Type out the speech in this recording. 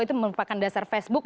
itu merupakan dasar facebook